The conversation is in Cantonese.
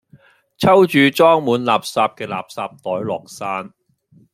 抽住裝滿垃圾嘅垃圾袋落山